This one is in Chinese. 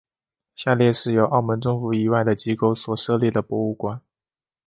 下列是由澳门政府以外的机构所设立的博物馆。